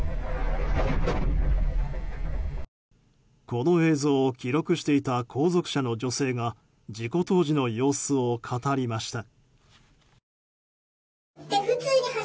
この映像を記録していた後続車の女性が事故当時の様子を語りました。